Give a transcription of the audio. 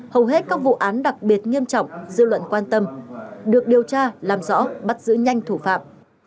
hầu hết các vụ án đặc biệt nghiêm trọng dư luận quan tâm được điều tra làm rõ bắt giữ nhanh thủ phạm